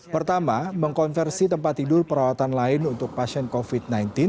pertama mengkonversi tempat tidur perawatan lain untuk pasien covid sembilan belas